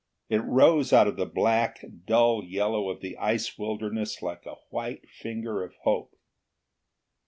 It rose out of the black and dull yellow of the ice wilderness like a white finger of hope.